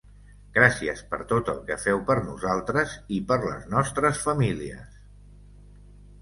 Gràcies per tot el que feu per nosaltres i per les nostres famílies.